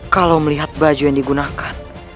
kalau melihat baju yang digunakan